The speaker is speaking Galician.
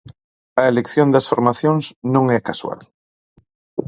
A elección das formacións non é casual.